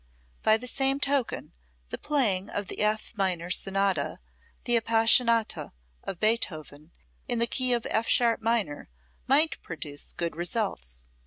By the same token, the playing of the F minor Sonata, the Appassionata of Beethoven, in the key of F sharp minor, might produce good results.